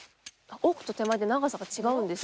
奥と手前で長さが違うんですね。